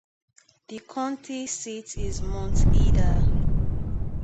The county seat is Mount Ida.